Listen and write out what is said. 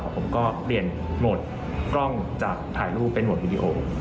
ผมก็เปลี่ยนโหมดกล้องจากถ่ายรูปเป็นโหมดวิดีโอ